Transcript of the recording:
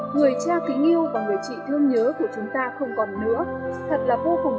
người cha kính yêu và người chị thương nhớ của chúng ta